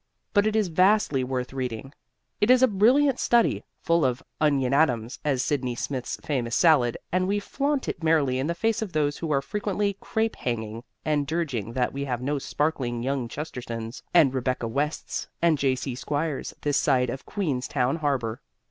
But it is vastly worth reading. It is a brilliant study, full of "onion atoms" as Sydney Smith's famous salad, and we flaunt it merrily in the face of those who are frequently crapehanging and dirging that we have no sparkling young Chestertons and Rebecca Wests and J.C. Squires this side of Queenstown harbor.